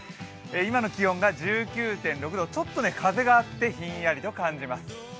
今の気温が１９．６度、ちょっと風があってひんやりと感じます。